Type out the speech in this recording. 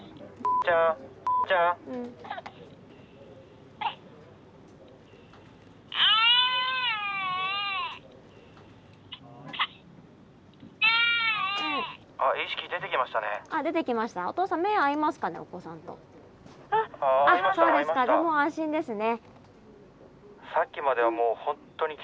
じゃあもう安心ですね。